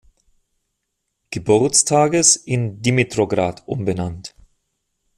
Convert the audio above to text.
Geburtstages, in "Dimitrowgrad" umbenannt.